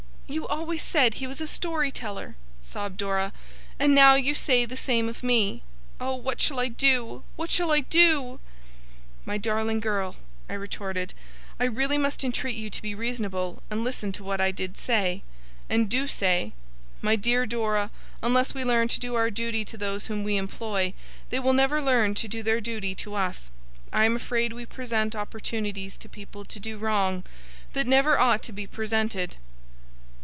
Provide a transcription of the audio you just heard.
'You always said he was a story teller,' sobbed Dora. 'And now you say the same of me! Oh, what shall I do! What shall I do!' 'My darling girl,' I retorted, 'I really must entreat you to be reasonable, and listen to what I did say, and do say. My dear Dora, unless we learn to do our duty to those whom we employ, they will never learn to do their duty to us. I am afraid we present opportunities to people to do wrong, that never ought to be presented.